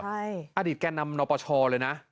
อเจมส์อดิษฐ์แกนำนประชอเลยนะ